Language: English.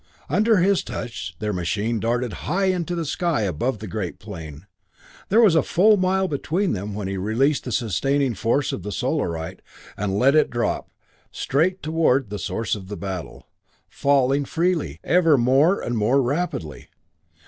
Under his touch their machine darted high into the sky above the great plane. There was a full mile between them when he released the sustaining force of the Solarite and let it drop, straight toward the source of the battle falling freely, ever more and more rapidly.